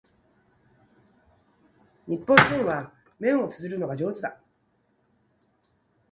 日本人は麺を啜るのが上手だ